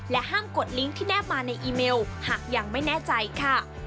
ห้ามกดลิงค์ที่แนบมาในอีเมลหากยังไม่แน่ใจค่ะ